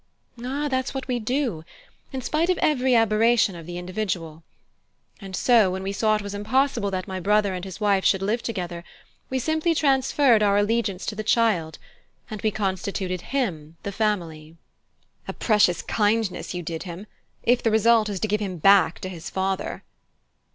"Ah, that's what we do; in spite of every aberration of the individual. And so, when we saw it was impossible that my brother and his wife should live together, we simply transferred our allegiance to the child we constituted him the family." "A precious kindness you did him! If the result is to give him back to his father."